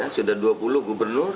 sudah dua puluh gubernur